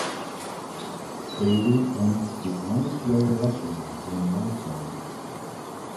Baillie owns The Honest Lawyer restaurant in Nelson.